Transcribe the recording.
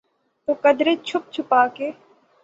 تو قدرے چھپ چھپا کے۔